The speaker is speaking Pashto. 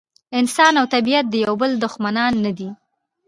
انسان او طبیعت د یو بل دښمنان نه دي.